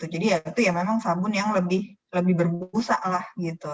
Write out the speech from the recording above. ya itu ya memang sabun yang lebih berbusa lah gitu